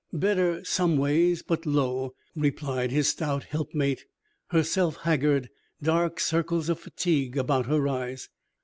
"Better some ways, but low," replied his stout helpmate, herself haggard, dark circles of fatigue about her eyes.